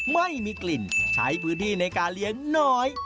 ไม่มีกลิ่นใช้พื้นที่ในการเลี้ยงน้อย